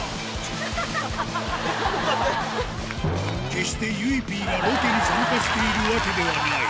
決して、ゆいＰがロケに参加しているわけではない。